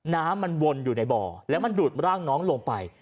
น้ำมันวนอยู่ในบ่อแล้วมันดูดร่างน้องลงไป